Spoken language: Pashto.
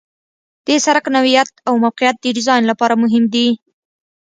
د سرک نوعیت او موقعیت د ډیزاین لپاره مهم دي